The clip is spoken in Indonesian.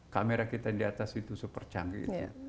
kamera kita di atas itu super canggih